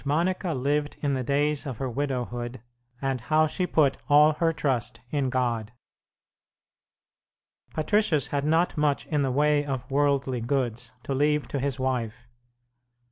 MONICA LIVED IN THE DAYS OF HER WIDOWHOOD, AND HOW SHE PUT ALL HER TRUST IN GOD Patricius had not much in the way of worldly goods to leave to his wife.